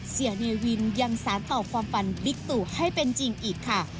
เนวินยังสารต่อความฝันบิ๊กตู่ให้เป็นจริงอีกค่ะ